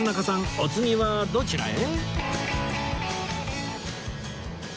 お次はどちらへ？